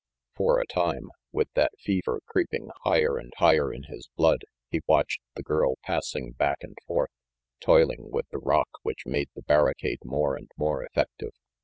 For a time, with that fever creeping higher and higher in 376 RANGY PETE F~i.l. his blood, he watched the girl passing back and forth, toiling with the rock which made the barricade more and more effective.